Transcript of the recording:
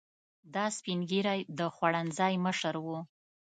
دا سپین ږیری د خوړنځای مشر و.